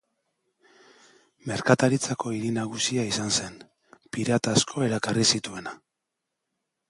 Merkataritzako hiri nagusia izan zen, pirata asko erakarri zituena.